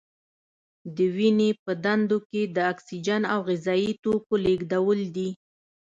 د وینې په دندو کې د اکسیجن او غذايي توکو لیږدول دي.